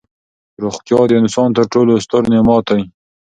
روغتیا د انسان تر ټولو ستر نعمت دی.